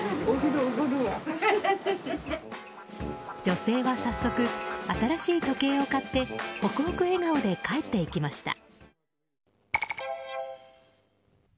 女性は早速新しい時計を買ってほくほく笑顔で帰っていきました。